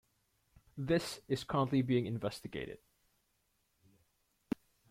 This is currently being investigated.